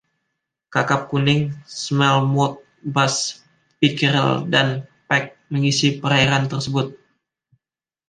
Kakap kuning, smallmouth bass, pickerel, dan Pike mengisi perairan tersebut.